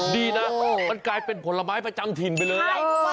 ดีนะมันกลายเป็นผลไม้ประจำถิ่นไปเลย